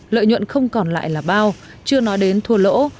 lợi nhuận không còn lại là bao chưa nói đến thua lỗ